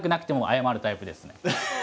謝るタイプですね。